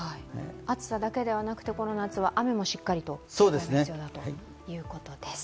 暑さだけではなく、この夏は雨もしっかりと対策が必要だと言うことです。